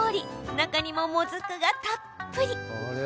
中にも、もずくがたっぷり。